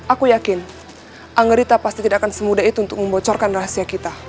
aku yakin angrita pasti tidak akan semudah itu untuk membocorkan rahasia kita